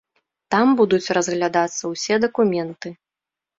Там будуць разглядацца ўсе дакументы.